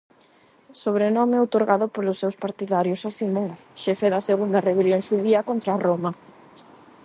Sobrenome outorgado polos seus partidarios a Simón, xefe da segunda rebelión xudía contra Roma.